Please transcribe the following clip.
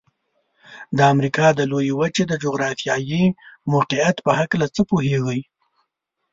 د امریکا د لویې وچې د جغرافيايي موقعیت په هلکه څه پوهیږئ؟